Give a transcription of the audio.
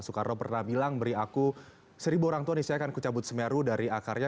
soekarno pernah bilang beri aku seribu orangtua nanti saya akan kucabut semeru dari akarnya